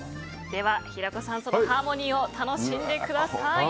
では平子さん、ハーモニーを楽しんでください！